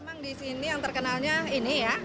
memang di sini yang terkenalnya ini ya